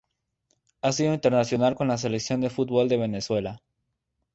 Ha sido internacional con la Selección de fútbol de Venezuela.